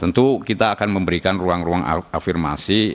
tentu kita akan memberikan ruang ruang afirmasi